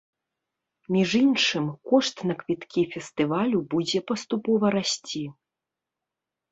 Між іншым, кошт на квіткі фестывалю будзе паступова расці.